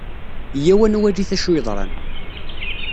Eyya-w ad nwalit acu yeḍran.